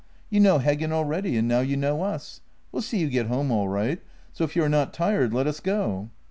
You know Heggen already, and now you know us. We'll see you get home all right, so if you are not tired, let us go."